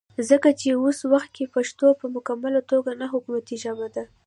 ځکه چې وس وخت کې پښتو پۀ مکمله توګه نه حکومتي ژبه ده